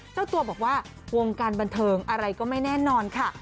เจ้าตัวบอกว่าวงการบันเทิงอะไรก็ไม่แน่นอนค่ะ